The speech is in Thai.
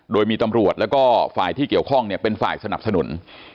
โดยมีตำรวจแล้วก็ฝ่ายที่เกี่ยวข้องเป็นฝ่ายสนับสนุน